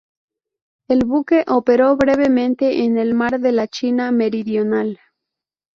El buque operó brevemente en el Mar de la China Meridional.